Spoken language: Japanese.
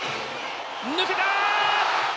抜けた！